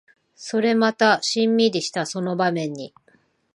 これまたシンミリしたその場面に